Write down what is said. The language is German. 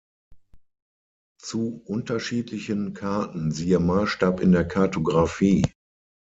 Zu unterschiedlichen Karten siehe Maßstab in der Kartografie.